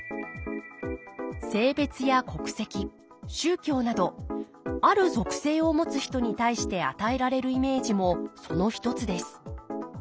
性別や国籍宗教などある属性を持つ人に対して与えられるイメージもその一つです